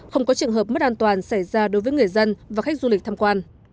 không có trường hợp mất an toàn xảy ra đối với người dân và khách du lịch tham quan